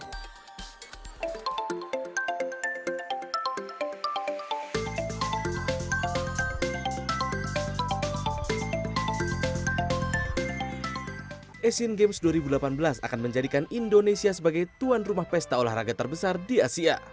asian games dua ribu delapan belas akan menjadikan indonesia sebagai tuan rumah pesta olahraga terbesar di asia